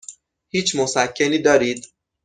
هیچ مسکنی دارید؟